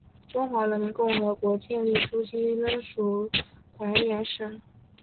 中华人民共和国建立初期仍属绥远省。